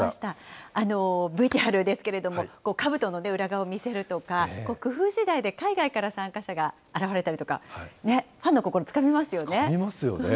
ＶＴＲですけれども、かぶとの裏側を見せるとか、工夫しだいで海外から参加者が現れたりとか、ファンの心つかみまつかみますよね。